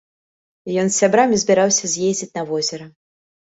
Ён з сябрамі збіраўся з'ездзіць на возера.